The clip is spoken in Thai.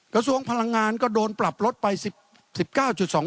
กระทรวงพลังงานก็โดนปรับลดไป๑๙๒เปอร์เซ็นต์